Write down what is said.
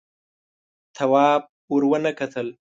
تواب ور ونه کتل.